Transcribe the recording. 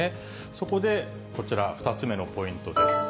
そこでこちら、２つ目のポイントです。